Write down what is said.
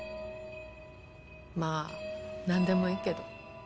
まあなんでもいいけど。